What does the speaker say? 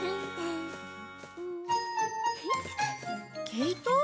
毛糸？